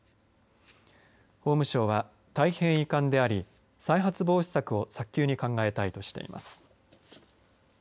法務省は大変遺憾であり再発防止策を早急に考えたいとしています。